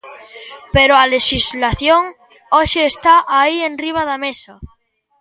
Pero a lexislación hoxe está aí enriba da mesa.